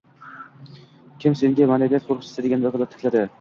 Kim senga “maʼnaviyat qoʻriqchisi” degan vakolat tirkadi?